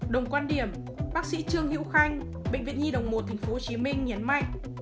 đồng quan điểm bác sĩ trương hữu khanh bệnh viện nhi đồng một tp hcm nhấn mạnh